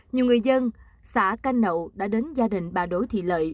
nhiều người dân xã canh nậu đã đến gia đình bà đỗ thị lợi